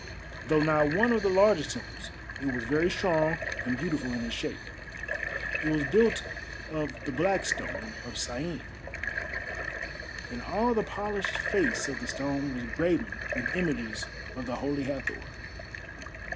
Though not one of the largest temples, it was very strong and beautiful in its shape. It was built of the black stone of Syene, and all the polished face of the stone was graven with images of the Holy Hathor.